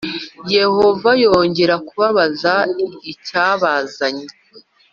Yehova yongera kubabaza icyabazanye